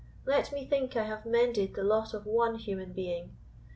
Let me think I have mended the lot of one human being!